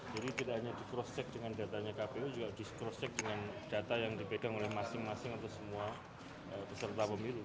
jadi tidak hanya di cross check dengan datanya kpu juga di cross check dengan data yang dipegang oleh masing masing atau semua peserta pemilu